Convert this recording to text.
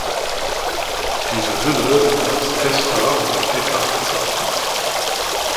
Diese Hülle wird als Testa oder Theca bezeichnet.